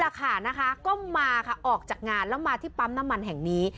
เด็กกลุ่มนี้ล่ะครับก็มาค่ะออกจากงานและมาที่ปั๊มน้ำมันแห่งนี้